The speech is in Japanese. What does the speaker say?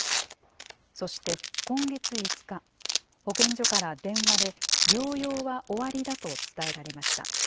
そして、今月５日、保健所から電話で、療養は終わりだと伝えられました。